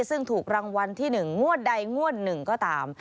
ซึ่งถูกรางวัลที่๑งวดใดงวดหนึ่งก็ตาม